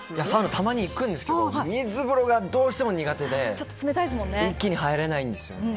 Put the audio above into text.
たまに行くんですけど水風呂がどうしても苦手で一気に入れないんですよね。